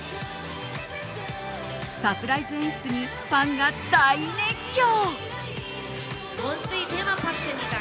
サプライズ演出にファンが大熱狂。